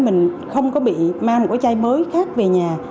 mình không có bị mang một cái chai mới khác về nhà